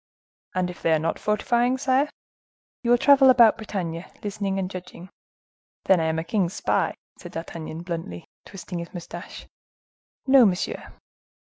"And if they are not fortifying, sire?" "You will travel about Bretagne, listening and judging." "Then I am a king's spy?" said D'Artagnan, bluntly, twisting his mustache. "No, monsieur."